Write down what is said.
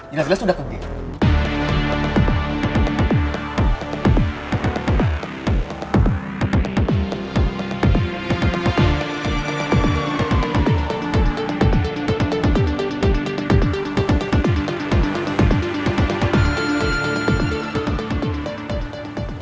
jelas jelas udah kebiasaan